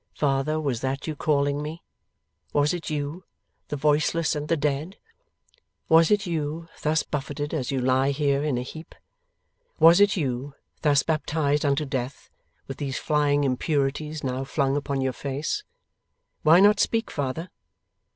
Father, was that you calling me? Was it you, the voiceless and the dead? Was it you, thus buffeted as you lie here in a heap? Was it you, thus baptized unto Death, with these flying impurities now flung upon your face? Why not speak, Father?